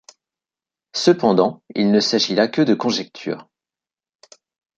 Cependant, il ne s'agit là que de conjectures.